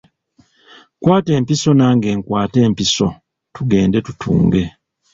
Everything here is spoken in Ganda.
Kwata empiso nange nkwate empiso tugende tutunge.